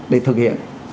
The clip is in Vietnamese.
để thực hiện